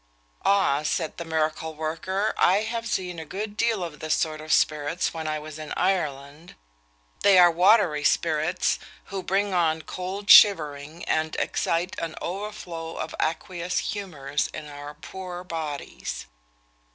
'Ah,' said the miracle worker, 'I have seen a good deal of this sort of spirits when I was in Ireland. They are watery spirits, who bring on cold shivering, and excite an overflow of aqueous humours in our poor bodies.'